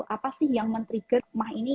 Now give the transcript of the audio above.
apa sih yang men trigger rumah ini